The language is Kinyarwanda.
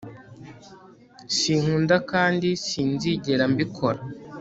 Sinkunda kandi sinzigera mbikora